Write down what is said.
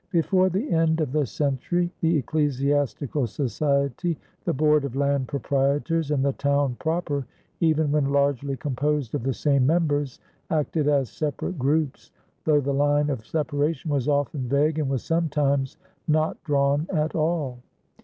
Before the end of the century, the ecclesiastical society, the board of land proprietors, and the town proper, even when largely composed of the same members, acted as separate groups, though the line of separation was often vague and was sometimes not drawn at all.